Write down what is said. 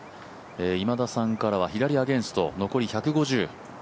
今田さんからは左アゲンスト残り１５０。